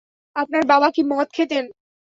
আপনার বাবা কি মদ খেতেন?